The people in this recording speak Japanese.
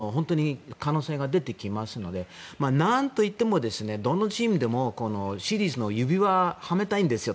トレードの腕で可能性が出てきますので何といっても、どのチームでもシリーズの指輪をはめたいんですよ。